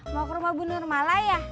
mau ke rumah bu nurmalaya